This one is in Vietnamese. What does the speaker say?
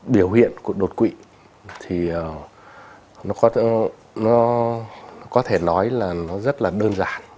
biểu hiện của đột quỵ thì nó có thể nói là nó rất là đơn giản